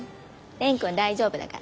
蓮くんは大丈夫だから。